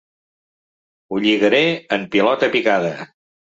Ho lligaré en pilota picada.